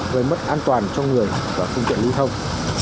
gây mất an toàn cho người và phương tiện lưu thông